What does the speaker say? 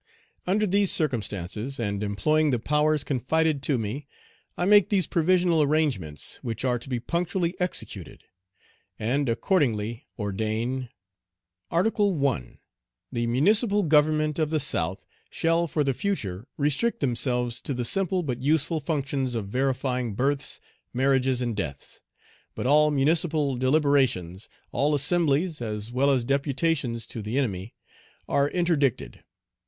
"Under these circumstances, and employing the powers confided to me, I make these provisional arrangements, which are to be punctually executed; and accordingly ordain: "Article 1. The municipal government of the South shall for the future restrict themselves to the simple but useful functions of verifying births, marriages, and deaths; but all municipal deliberations, all assemblies, as well as deputations to the enemy, are interdicted.